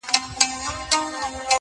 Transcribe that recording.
سپينه خولگۍ راپسي مه ږغوه.